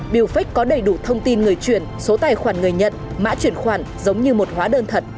biêufec có đầy đủ thông tin người chuyển số tài khoản người nhận mã chuyển khoản giống như một hóa đơn thật